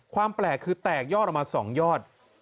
ความแปลกคือแตกยอดออกมา๒ยอด